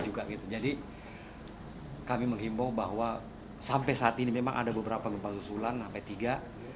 jadi kami menghimbau bahwa sampai saat ini memang ada beberapa gempa susulan sampai tiga